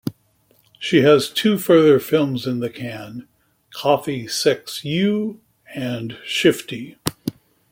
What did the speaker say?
She has two further films in the can, "Coffee Sex You" and "Shifty".